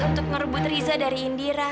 untuk merebut riza dari indira